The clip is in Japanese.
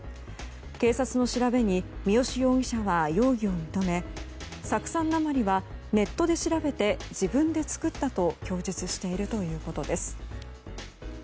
警察の調べに三好容疑者は容疑を認め酢酸鉛はネットで調べて自分で作ったと供述しているということです。